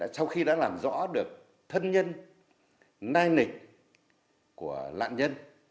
sau khi đã làm rõ được thân nhân nai nịch của lạn nhân